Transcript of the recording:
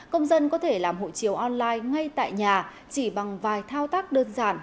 công dân có thể làm hộ chiếu online ngay tại nhà chỉ bằng vài thao tác đơn giản